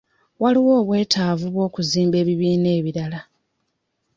Waliwo obwetaavu bw'okuzimba ebibiina ebirala.